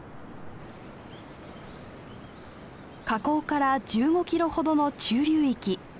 河口から１５キロほどの中流域。